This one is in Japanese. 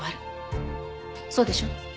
そうでしょ？